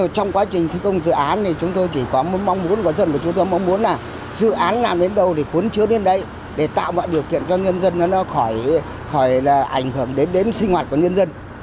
trong quá trình thi công dự án thì chúng tôi chỉ có mong muốn dự án làm đến đâu thì cuốn chứa đến đấy để tạo mọi điều kiện cho nhân dân nó khỏi ảnh hưởng đến sinh hoạt của nhân dân